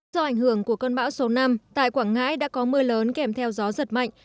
do ảnh hưởng của cơn bão số năm tại quảng ngãi đã có mưa lớn kèm theo gió giật mạnh